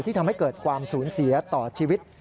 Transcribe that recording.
ทำให้เกิดความสูญเสียต่อชีวิต